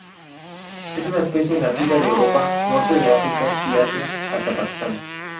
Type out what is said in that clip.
Es una especie nativa de Europa, norte de África y Asia hasta Pakistan.